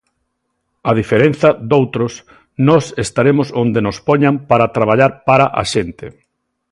A diferenza doutros, nós estaremos onde nos poñan para traballar para a xente.